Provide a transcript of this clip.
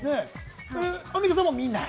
アンミカさんも見ない？